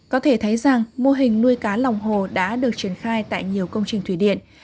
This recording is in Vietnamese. có thể thấy rằng mô hình nuôi cá lòng hồ đã được triển khai tại nhiều công trình thủy điện